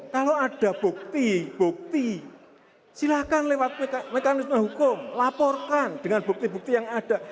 kalau ada bukti bukti silakan lewat mekanisme hukum laporkan dengan bukti bukti yang ada